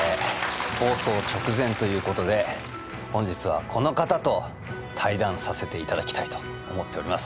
放送直前ということで本日はこの方と対談させていただきたいと思っております。